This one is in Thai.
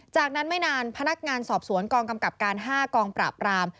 จากนั้นไม่นานพนักงานสอบสวนกองกำกับการ๕กองปราบราม